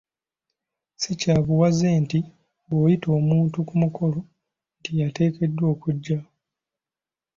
Si kya buwaze nti bw'oyita omuntu ku mukolo nti ateekeddwa okujja.